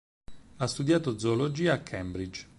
Ha studiato zoologia, a Cambridge.